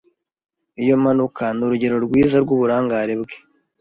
Iyo mpanuka ni urugero rwiza rwuburangare bwe.